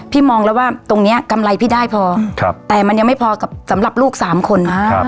พี่มองแล้วว่าตรงเนี้ยกำไรพี่ได้พอครับแต่มันยังไม่พอกับสำหรับลูกสามคนครับ